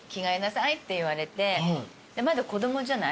まだ子供じゃない。